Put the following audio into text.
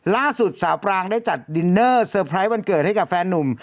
ล่าสุดสาวปรางได้จัดดินเนอร์เซอร์ไพรส์วันเกิดให้กับแฟนนุ่ม